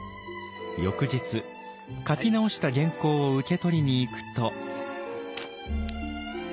翌日描き直した原稿を受け取りに行くと。